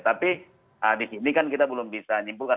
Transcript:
tapi di sini kan kita belum bisa nyimpulkan